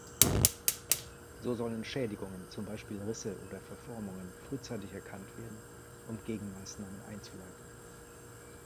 So sollen Schädigungen, zum Beispiel Risse oder Verformungen, frühzeitig erkannt werden, um Gegenmaßnahmen einzuleiten.